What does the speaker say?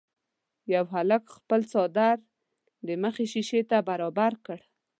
یوه هلک خپل څادر د مخې شيشې ته برابر کړ.